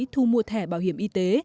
thu mua thẻ bảo hiểm y tế